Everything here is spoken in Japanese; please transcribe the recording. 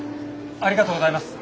ありがとうございます。